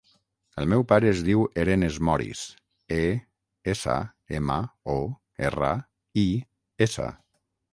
El meu pare es diu Eren Esmoris: e, essa, ema, o, erra, i, essa.